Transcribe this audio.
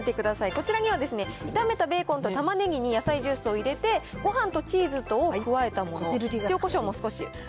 こちらには炒めたベーコンとたまねぎに野菜ジュースを入れて、ごはんとチーズとを加えたもの、塩、こしょうも少し。